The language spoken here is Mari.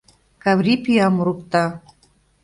Каврий пӱям урыкта.